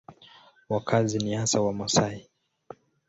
Wakazi ni hasa Wamasai.